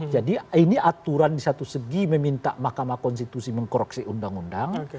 jadi ini aturan di satu segi meminta mahkamah konstitusi mengkoreksi undang undang